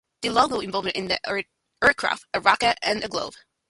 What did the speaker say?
The logo evolved into an aircraft, a rocket, and a globe.